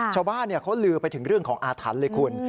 ชาวบ้านเขาลือไปถึงเรื่องของอาถรรพ์เลยคุณ